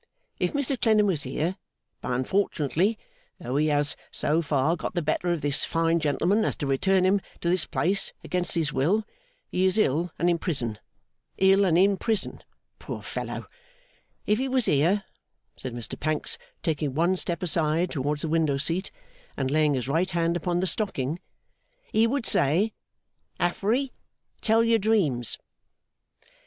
If Mr Clennam was here but unfortunately, though he has so far got the better of this fine gentleman as to return him to this place against his will, he is ill and in prison ill and in prison, poor fellow if he was here,' said Mr Pancks, taking one step aside towards the window seat, and laying his right hand upon the stocking; 'he would say, "Affery, tell your dreams!"